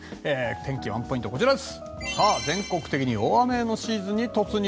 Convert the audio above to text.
天気ワンポイントです。